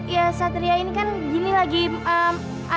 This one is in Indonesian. ya satria ini kan gini lagi em apa